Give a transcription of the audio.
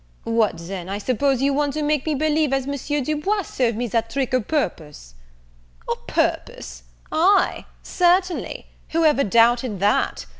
"What, then, I suppose you want to make me believe as Monsieur Du Bois served me that trick o'purpose?" "O' purpose! ay, certainly; whoever doubted that?